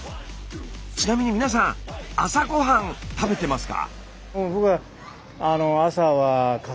ちなみに皆さん朝ごはん食べてますか？